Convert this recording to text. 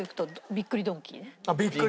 びっくりドンキー